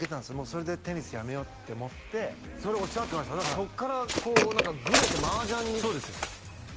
それでテニスやめようって思ってそれおっしゃってましたそっからこう何かグレて麻雀にそうですよ